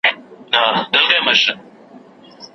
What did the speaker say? څوک چي چړیانو ملایانو ته جامې ورکوي